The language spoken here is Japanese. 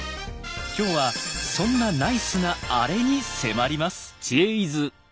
今日はそんなナイスなアレに迫ります。